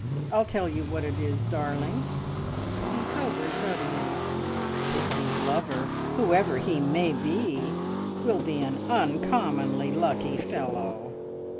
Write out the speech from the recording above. I'll tell you what it is, darling," he sobered suddenly; "Pixie's lover, whoever he may be, will be an uncommonly lucky fellow!"